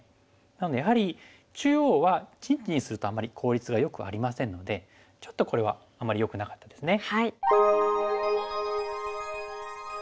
なのでやはり中央は陣地にするとあんまり効率がよくありませんのでちょっとこれはあんまりよくなかったですね。